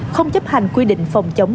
không chấp hành quy định phòng chống